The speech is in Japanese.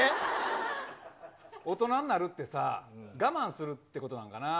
大人になるってさ、我慢するってことなんかな？